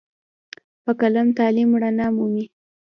په قلم تعلیم رڼا مومي.